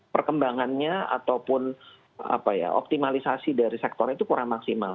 perkembangannya ataupun optimalisasi dari sektor itu kurang maksimal